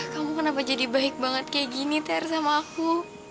kamu kenapa jadi baik banget kayak gini ter sama aku